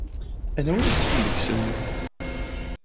Anwa ay iṣeḥḥan deg-sen?